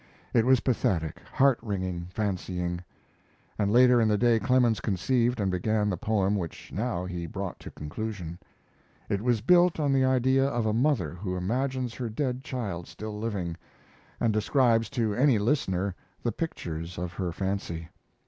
It was pathetic, heart wringing fancying; and later in the day Clemens conceived and began the poem which now he brought to conclusion. It was built on the idea of a mother who imagines her dead child still living, and describes to any listener the pictures of her fancy.